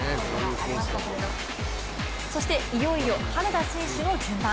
そしていよいよ羽根田選手の順番。